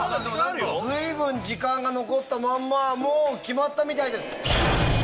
随分時間が残ったまんまもう決まったみたいです。